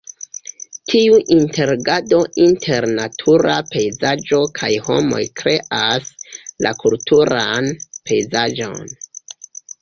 Tiu interagado inter natura pejzaĝo kaj homoj kreas la kulturan pejzaĝon.